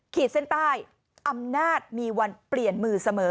ขีดเส้นใต้อำนาจมีวันเปลี่ยนมือเสมอ